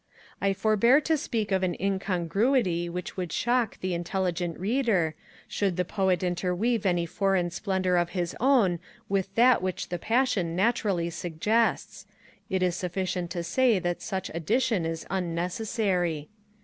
I forbear to speak of an incongruity which would shock the intelligent Reader, should the Poet interweave any foreign splendour of his own with that which the passion naturally suggests: it is sufficient to say that such addition is unnecessary.